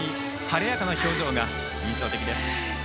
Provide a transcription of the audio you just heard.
晴れやかな表情が印象的です。